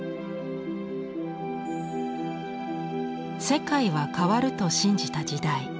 世界は変わると信じた時代。